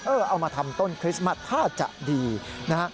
เอามาทำต้นคริสต์มัสถ้าจะดีนะฮะ